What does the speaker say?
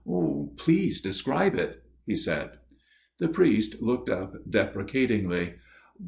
" Please describe it," he said. The priest looked up deprecatingly.